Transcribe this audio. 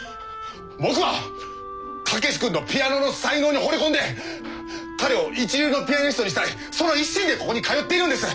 僕は武志君のピアノの才能に惚れ込んで彼を一流のピアニストにしたいその一心でここに通っているんです！